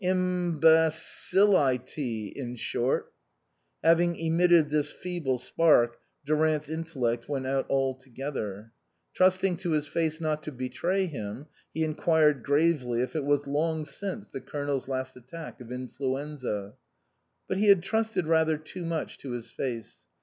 " Imbacillity, in short." Having emitted this feeble spark, Durant's in tellect went out altogether. Trusting to his face not to betray him, he inquired gravely if it was long since the Colonel's last attack of influenza. But he had trusted rather too much to his face.